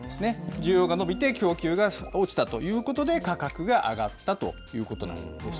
需要が伸びて、供給が落ちたということで、価格が上がったということなんです。